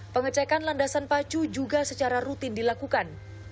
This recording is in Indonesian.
pengecekan landasan pacu juga secara rutin dilakukan